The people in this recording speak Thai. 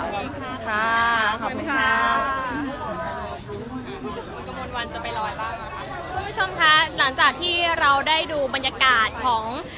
คุณผู้ชมคะหลังจากที่เราได้ดูบรรยากาศของ